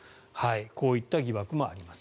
こういった疑惑もあります。